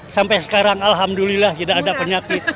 sampai sekarang alhamdulillah tidak ada penyakit